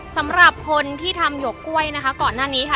สำหรับคนที่ทำหยกกล้วยนะคะก่อนหน้านี้ค่ะ